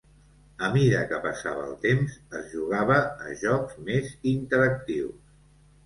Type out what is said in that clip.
A mida que passava el temps, es jugava a jocs més interactius.